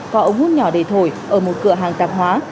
có ống hút nhỏ để thổi ở một cửa hàng tạp hóa